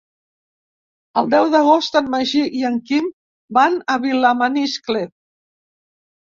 El deu d'agost en Magí i en Quim van a Vilamaniscle.